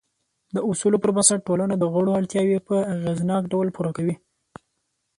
د اصولو پر بنسټ ټولنه د غړو اړتیاوې په اغېزناک ډول پوره کوي.